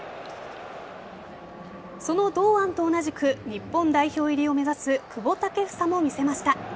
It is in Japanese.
その堂安と同じく日本代表入りを目指す久保建英も見せました。